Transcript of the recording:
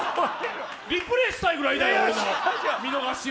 リプレーしたいぐらいだよ、見逃しを。